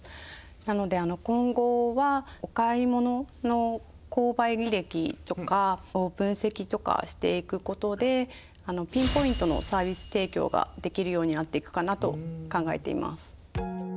なので今後はお買い物の購買履歴とかを分析とかしていくことでピンポイントのサービス提供ができるようになっていくかなと考えています。